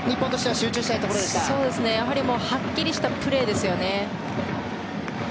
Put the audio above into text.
はっきりしたプレーですよね。